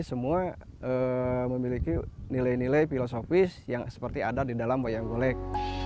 semua memiliki nilai nilai filosofis yang seperti ada di dalam wayang golek